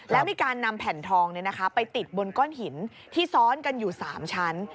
แล้วมีการนำแผ่นทองไปติดบนก้อนหินที่ซ้อนกันอยู่๓ชั้น